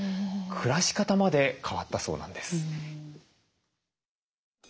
暮らし方まで変わったそうなんです。